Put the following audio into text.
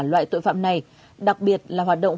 loại tội phạm này đặc biệt là hoạt động